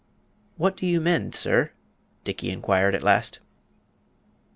"What do you mend, sir?" Dickey inquired at last.